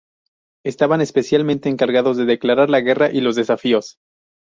Estaban especialmente encargados de declarar la guerra y los desafíos.